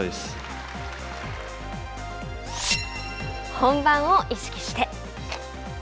本番を意識して。